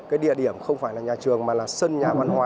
cái địa điểm không phải là nhà trường mà là sân nhà văn hóa